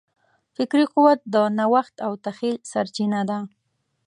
فکري قوت د نوښت او تخیل سرچینه ده.